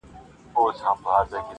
• ورور له کلي لرې تللی دی,